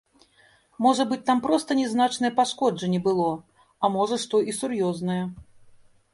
Можа быць там проста нязначнае пашкоджанне было, а можа што і сур'ёзнае.